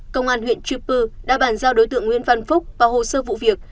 công an huyện chư pư đã bàn giao đối tượng nguyễn văn phúc vào hồ sơ vụ việc